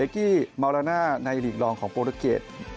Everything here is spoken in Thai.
เอกกี้มาวราณ่าในหลีกรองของโปรเตอร์เกรด